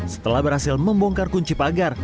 setelah berhasil membongkar kunci pagar